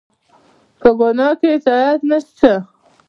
په ګناه کې اطاعت نشته